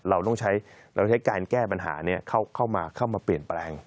เราต้องใช้การแก้ปัญหาเนี่ยเข้ามาเปลี่ยนแปลง